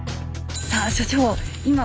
さあ所長